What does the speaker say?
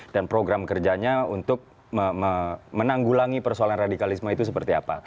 dan program kerjanya untuk menanggulangi persoalan radikalisme itu seperti apa